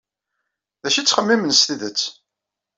D acu ay ttxemmimen s tidet?